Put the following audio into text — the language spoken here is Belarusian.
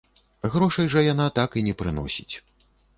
Грошай жа яна так і не прыносіць!